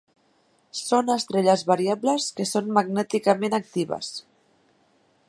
Són estrelles variables que són magnèticament actives.